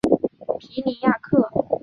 皮尼亚克。